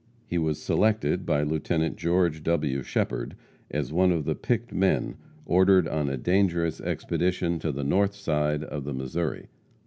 He was selected by Lieut. Geo. W. Shepherd as one of the picked men ordered on a dangerous expedition to the north side of the Missouri.